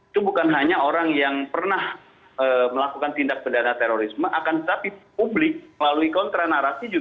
itu bukan hanya orang yang pernah melakukan tindak pidana terorisme akan tetapi publik melalui kontra narasi juga